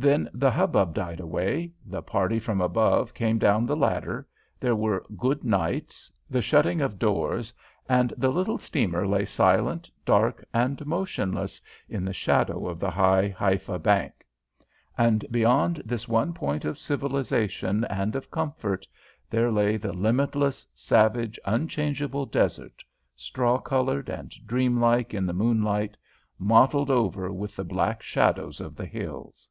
Then the hubbub died away, the party from above came down the ladder, there were "good nights," the shutting of doors, and the little steamer lay silent, dark, and motionless in the shadow of the high Haifa bank. And beyond this one point of civilisation and of comfort there lay the limitless, savage, unchangeable desert, straw coloured and dream like in the moonlight, mottled over with the black shadows of the hills.